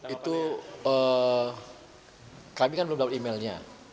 itu kami kan belum dapat emailnya